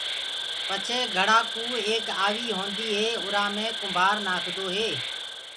پچهي گھڙآ ڪو ايڪ آوي هوندي هي اُرآ مي ڪُمڀآر نآکدو هي۔